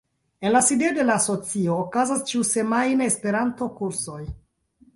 En la sidejo de la Asocio okazas ĉiusemajne Esperanto-kursoj.